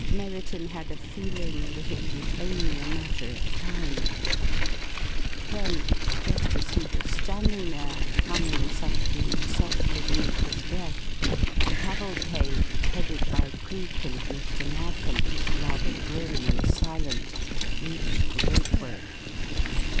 Merriton had a feeling that it was only a matter of time. Then, just as he was standing there, humming something softly beneath his breath, the cavalcade, headed by Cleek and Mr. Narkom, rather grim and silent, reached the gateway.